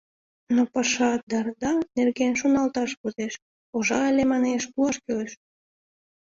Но пашадарда нерген шоналташ возеш: пожале, манеш, пуаш кӱлеш...